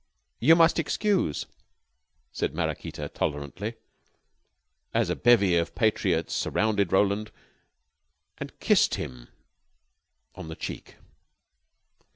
"You must excuse," said Maraquita tolerantly, as a bevy of patriots surrounded Roland and kissed him on the cheek.